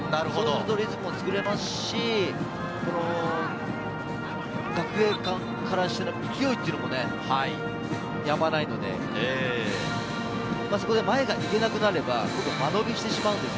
リズムを作れますし、学芸館からすると、勢いもやまないので、そこで、前が見えなくなれば、間延びしてしまうんです。